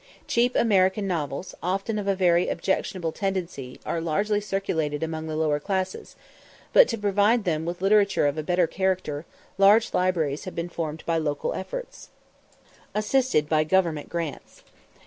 Cheap American novels, often of a very objectionable tendency, are largely circulated among the lower classes; but to provide them with literature of a better character, large libraries have been formed by local efforts, assisted by government grants.